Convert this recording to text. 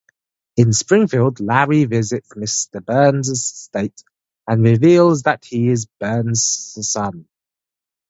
In Springfield, Larry visits Mr. Burns' estate and reveals that he is Burns' son.